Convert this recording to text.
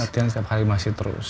artinya setiap hari masih terus